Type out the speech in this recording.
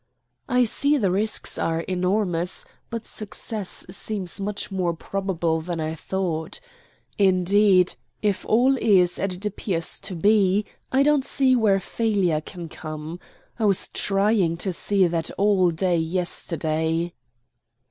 "I see the risks are enormous; but success seems much more probable than I thought. Indeed, if all is as it appears to be, I don't see where failure can come. I was trying to see that all day yesterday."